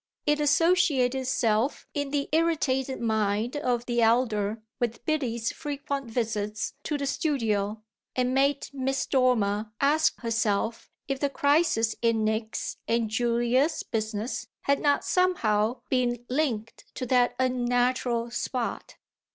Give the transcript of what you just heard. It associated itself in the irritated mind of the elder with Biddy's frequent visits to the studio and made Miss Dormer ask herself if the crisis in Nick's and Julia's business had not somehow been linked to that unnatural spot.